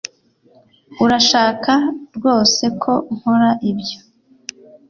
urashaka rwose ko nkora ibyo